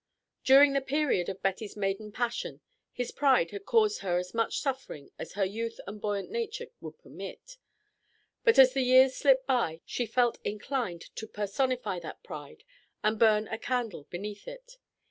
During the period of Betty's maiden passion his pride had caused her as much suffering as her youth and buoyant nature would permit; but as the years slipped by she felt inclined to personify that pride and burn a candle beneath it.